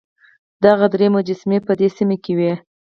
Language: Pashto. دغه درې مجسمې په دې سیمه کې وې.